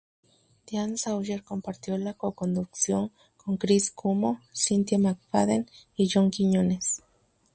Diane Sawyer compartió la co-conducción con Chris Cuomo, Cynthia McFadden, y John Quiñones.